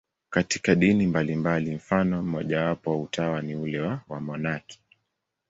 Katika dini mbalimbali, mfano mmojawapo wa utawa ni ule wa wamonaki.